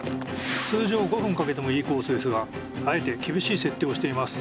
通常５分かけてもいいコースですがあえて厳しい設定をしています。